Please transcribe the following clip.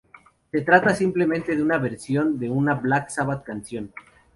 Se trata simplemente de una versión de una Black Sabbath canción.